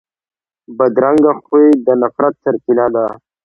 بدرنګه خوی د نفرت سرچینه ده